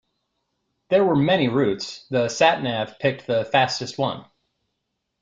There were many routes, the sat-nav picked the fastest one.